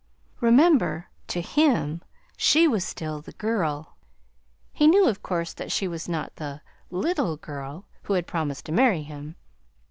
Remember, to him she was still the girl. He knew, of course, that she was not the LITTLE girl who had promised to marry him.